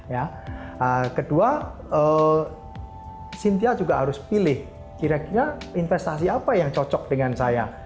ya kedua cynthia juga harus pilih kira kira investasi apa yang cocok dengan saya